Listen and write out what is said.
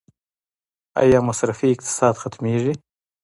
آیا مصرفي اقتصاد ختمیږي؟